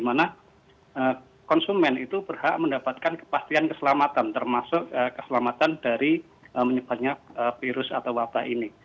jadi konsumen itu berhak mendapatkan kepastian keselamatan termasuk keselamatan dari menyebabkan virus atau wabah ini